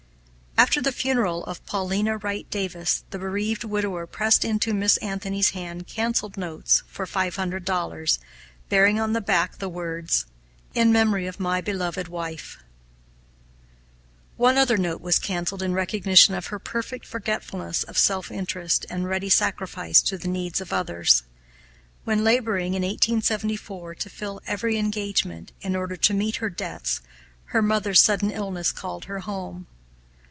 After the funeral of Paulina Wright Davis, the bereaved widower pressed into Miss Anthony's hand canceled notes for five hundred dollars, bearing on the back the words, "In memory of my beloved wife." One other note was canceled in recognition of her perfect forgetfulness of self interest and ready sacrifice to the needs of others. When laboring, in 1874, to fill every engagement, in order to meet her debts, her mother's sudden illness called her home.